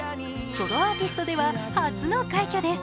ソロアーティストでは初の快挙です。